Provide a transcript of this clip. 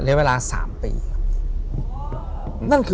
ถูกต้องไหมครับถูกต้องไหมครับ